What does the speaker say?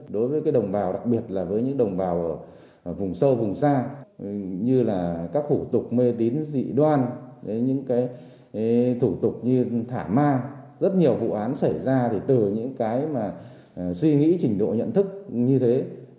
đối với đồng bào đặc biệt là với những đồng bào ở vùng sâu vùng xa như là các thủ tục mê tín dị đoan những thủ tục như thả ma rất nhiều vụ án xảy ra từ những suy nghĩ trình độ nhận thức như thế